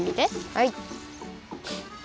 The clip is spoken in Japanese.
はい。